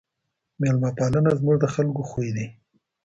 ميلمه پالنه زموږ د خلګو خوی دی.